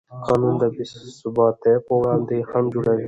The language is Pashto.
قانون د بېثباتۍ پر وړاندې خنډ جوړوي.